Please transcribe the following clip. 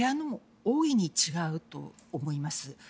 大いに違うと思います。